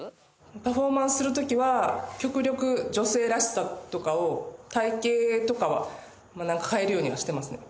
パフォーマンスする時は極力女性らしさとかを体形とかは変えるようにはしてますね。